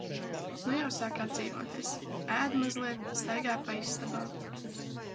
Nu jau sāk atdzīvoties - ēd mazliet, staigā pa istabām.